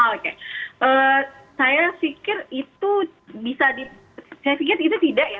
oke saya pikir itu tidak ya